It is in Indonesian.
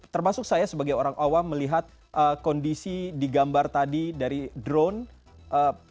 termasuk saya sebagai orang awam melihat kondisi di gambar tadi dari drone